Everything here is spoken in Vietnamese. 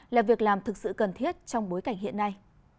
là việc làm thực sự cần thiết trong bối cảnh hiện nay